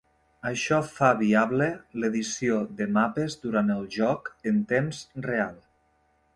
Això fa viable l'edició de mapes durant el joc en temps real.